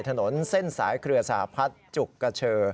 ถนนเส้นสายเครือสาผัสจุกกะเชอ